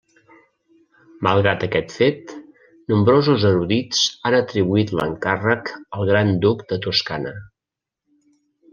Malgrat aquest fet, nombrosos erudits han atribuït l'encàrrec al Gran Duc de Toscana.